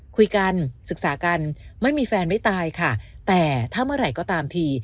คุยกันศึกษากันไม่มีแฟนไม่ตายค่ะแต่ถ้าเมื่อไหร่ก็ตามที